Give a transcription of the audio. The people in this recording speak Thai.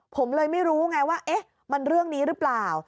ผมเลยไม่รู้ไงว่าเอ๊ะมันเรื่องนี้หรือเปล่า